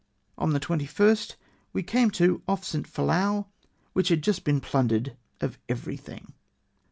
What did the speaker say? On the 21st we came to off St. Philou, which had just been plundered of everything.